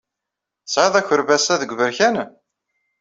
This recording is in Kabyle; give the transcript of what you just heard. Tesɛid akerbas-a deg uberkan?